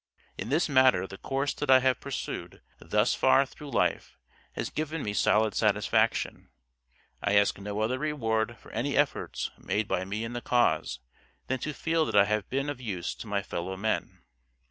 In this matter the course that I have pursued thus far through life has given me solid satisfaction. I ask no other reward for any efforts made by me in the cause, than to feel that I have been of use to my fellow men.